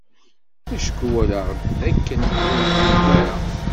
Acku walaɣ d akken ur iwulem ara.